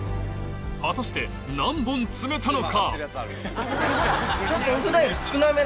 果たして何本積めたのか？